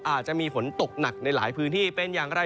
อาจจะมีฝนตกหนักในหลายพื้นที่เป็นอย่างไร